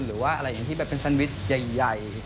หรือว่าอะไรอย่างที่แบบเป็นแซนวิชใหญ่